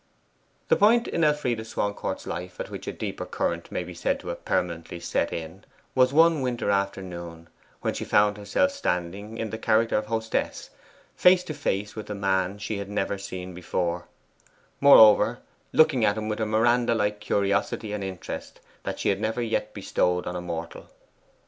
The point in Elfride Swancourt's life at which a deeper current may be said to have permanently set in, was one winter afternoon when she found herself standing, in the character of hostess, face to face with a man she had never seen before moreover, looking at him with a Miranda like curiosity and interest that she had never yet bestowed on a mortal.